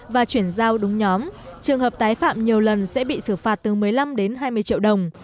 và chuyển giao đúng nhóm trường hợp tái phạm nhiều lần sẽ bị xử phạt từ một mươi năm đến hai mươi triệu đồng